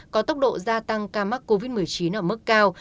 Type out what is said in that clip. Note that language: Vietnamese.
có tốc độ gia tăng ca mắc covid một mươi chín ở mức cao